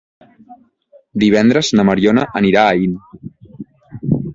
Divendres na Mariona anirà a Aín.